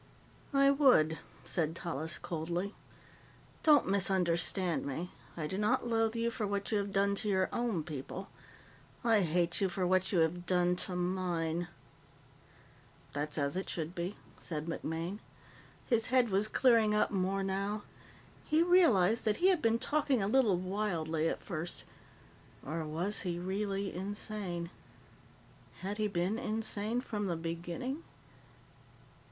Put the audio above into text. "I would," said Tallis coldly. "Don't misunderstand me. I do not loathe you for what you have done to your own people; I hate you for what you have done to mine." "That's as it should be," said MacMaine. His head was clearing up more now. He realized that he had been talking a little wildly at first. Or was he really insane? Had he been insane from the beginning?